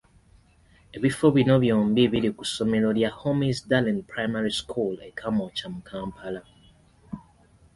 Ebifo bino byombi biri ku ssomero lya Homisdallen Primary School e Kamwokya mu Kampala.